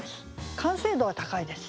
完成度は高いです。